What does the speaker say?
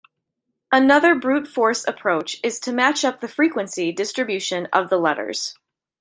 Another brute force approach is to match up the frequency distribution of the letters.